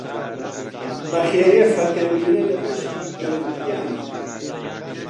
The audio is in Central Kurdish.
بە خێرێ فەقێ مینە لە بەشی گەورکیانە